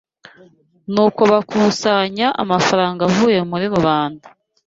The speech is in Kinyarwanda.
Nuko bakusanya amafaranga avuye muri rubanda